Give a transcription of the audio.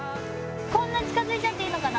こんな近づいちゃっていいのかな？